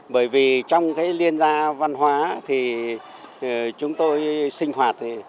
bởi vì trong cái liên gia văn hóa thì chúng tôi sinh hoạt